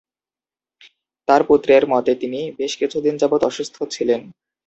তাঁর পুত্রের মতে তিনি "বেশ কিছুদিন যাবৎ অসুস্থ ছিলেন।"